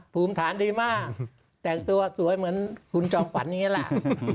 ภูมิฐานดีมากแต่งตัวสวยเหมือนคุณจอมฝันอย่างนี้แหละ